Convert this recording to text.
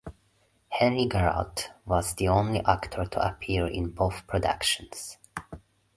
Henri Garat was the only actor to appear in both productions.